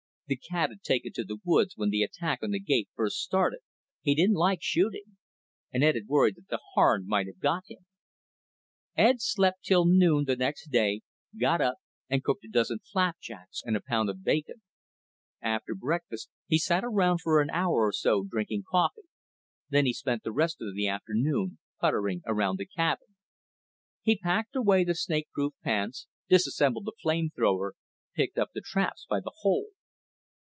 The cat had taken to the woods when the attack on the gate first started, he didn't like shooting, and Ed had worried that the Harn might have got him. Ed slept till noon the next day, got up and cooked a dozen flapjacks and a pound of bacon. After breakfast, he sat around for an hour or so drinking coffee. Then he spent the rest of the afternoon puttering around the cabin. He packed away the snakeproof pants, disassembled the flame thrower, picked up the traps by the hole.